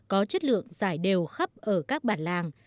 có chất lượng giải đều khắp ở các bản làng